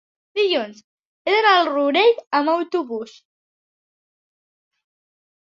dilluns he d'anar al Rourell amb autobús.